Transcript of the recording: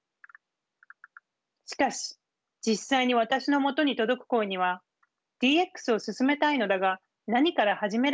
しかし実際に私のもとに届く声には「ＤＸを進めたいのだが何から始めればいいのか？」